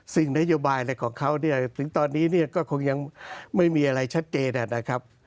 สิ่งนโยบายอะไรของเขาถึงตอนนี้ก็คงยังไม่มีอะไรชัดเจนนะครับ